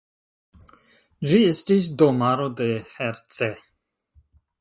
Ĝi estis domaro de Herce.